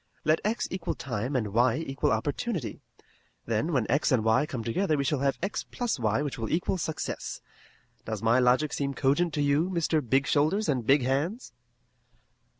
Let x equal time and y equal opportunity. Then when x and y come together we shall have x plus y which will equal success. Does my logic seem cogent to you, Mr. Big Shoulders and Big Hands?"